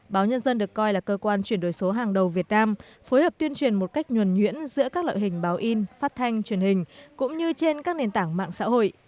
báo nhân dân được coi là cơ quan chuyển đổi số hàng đầu việt nam phối hợp tuyên truyền một cách nhuẩn nhuyễn giữa các loại hình báo in phát thanh truyền hình cũng như trên các nền tảng mạng xã hội